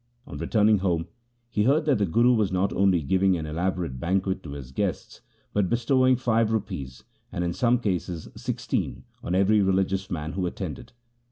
On returning home he heard that the Guru was not only giving an elaborate banquet to his guests, but bestowing five rupees, and in some cases sixteen on every religious man who attended.